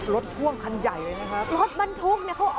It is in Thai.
รถพวงคันใหญ่เลยนะครับรถบรรทุกเนี้ยเขาออกมา